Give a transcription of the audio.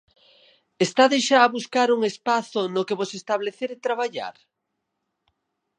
Estades xa a buscar un espazo no que vos establecer e traballar?